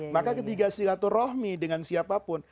maka ketiga silaturahmi dengan siapapun